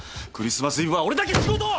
クリスマスイブは俺だけ仕事！